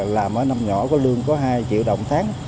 làm ở năm nhỏ có lương có hai triệu đồng tháng